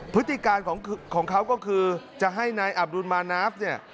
พฤติการของเขาก็คือจะให้นายอับดุลมานาฟเนี่ย